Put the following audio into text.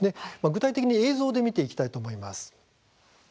具体的に映像で見ていきたいと思います。